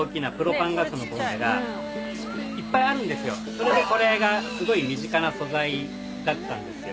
それでこれがすごい身近な素材だったんですよね。